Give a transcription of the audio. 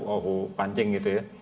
aku pancing gitu ya